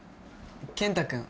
健太君